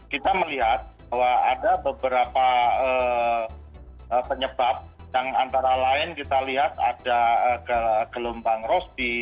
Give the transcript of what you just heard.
kita melihat bahwa ada beberapa penyebab yang antara lain kita lihat ada gelombang rosti